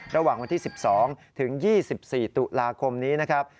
ระหว่างวันที่๑๒ถึง๒๔ตุลาคมนี้นะครับ